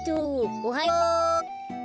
おはよう。